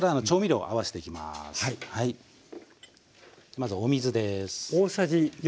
まずお水です。